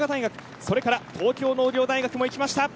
それから東京農業大学も行きました。